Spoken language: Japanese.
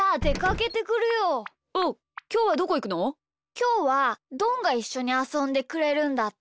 きょうはどんがいっしょにあそんでくれるんだって。